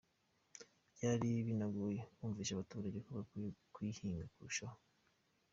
Byari binagoye kumvisha abaturage ko bakwiye kuyihinga kurushaho.